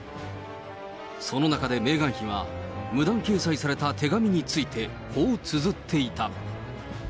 その中でメーガン妃は、無断掲載された手紙について、こうつづっていた。